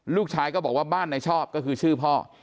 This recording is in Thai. ลูกชายก็บอกว่าบ้านในชอบก็คือชื่อพ่อ